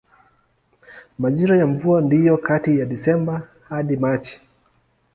Majira ya mvua ndiyo kati ya Desemba hadi Machi.